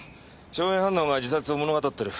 硝煙反応が自殺を物語ってる。